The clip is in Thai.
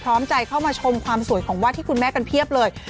พร้อมใจเข้ามาชมความสวยของวาดที่คุณแม่กันเพียบเลย